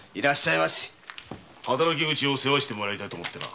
働き口を世話してもらいたいと思ってな。